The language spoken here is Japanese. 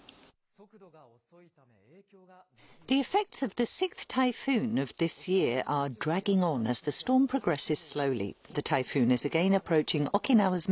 速度が遅いため、影響が長引いています。